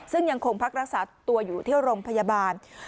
ซึ่งยังคงพักรักษาตัวอยู่ที่โรงพยาบาล